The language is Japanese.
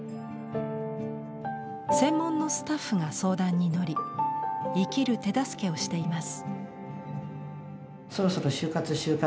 専門のスタッフが相談に乗り生きる手助けをしています。